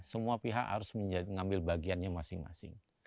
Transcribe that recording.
semua pihak harus mengambil bagiannya masing masing